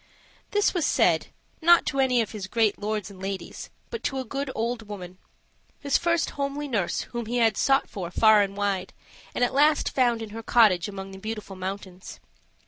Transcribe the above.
This was said, not to any of his great lords and ladies, but to a good old woman his first homely nurse whom he had sought for far and wide, and at last found in her cottage among the Beautiful Mountains.